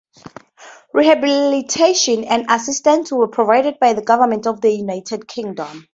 Rehabilitation and assistance were provided by the Government of the United Kingdom.